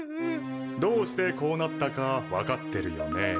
どうしてこうなったか分かってるよね。